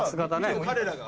彼らが。